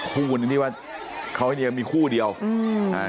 ขึ้นที่ว่าเขาแล้วมีคู่เดียวอืมอ่า